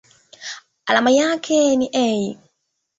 Alama yake ni Al.